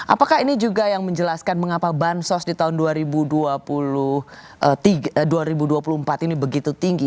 apakah ini juga yang menjelaskan mengapa bansos di tahun dua ribu dua puluh empat ini begitu tinggi